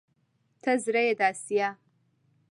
ته زړه يې د اسيا